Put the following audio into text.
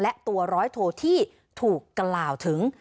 และตัวร้อยโทที่ถูกกล่าวถึง